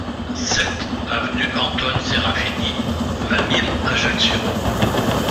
sept avenue Antoine Serafini, vingt mille Ajaccio